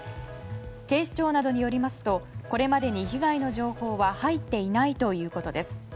警視庁などによりますとこれまでに被害の情報は入っていないということです。